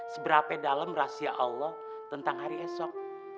seberapa dalam rahasia allah tentang hari esok